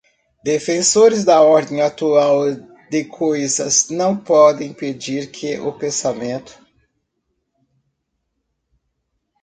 defensores da ordem atual de coisas não podem impedir que o pensamento